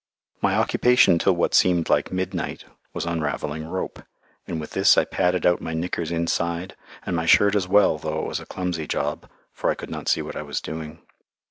My occupation till what seemed like midnight was unravelling rope, and with this I padded out my knickers inside, and my shirt as well, though it was a clumsy job, for I could not see what I was doing.